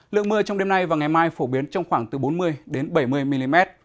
lượng mưa trong đêm nay và ngày mai phổ biến trong khoảng từ bốn mươi bảy mươi mm